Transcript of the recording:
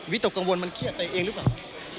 ตกกังวลมันเครียดไปเองหรือเปล่า